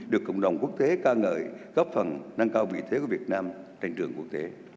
được cộng đồng quốc tế ca ngợi góp phần nâng cao vị thế của việt nam trên trường quốc tế